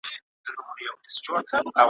شپه د ژمي هم سړه وه هم تياره وه ,